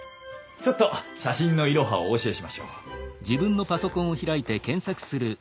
ちょっと写真のイロハをお教えしましょう。